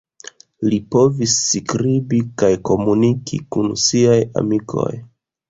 Li povis skribi kaj komuniki kun siaj amikoj.